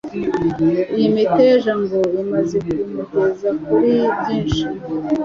Iyi miteja ngo imaze kumugeza kuri byinshi